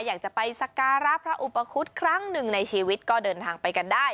อยากจะไปสการะพระอุปคุฎครั้งหนึ่งในชีวิตก็เดินทางไปกันได้